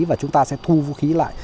và chúng ta sẽ thu vũ khí lại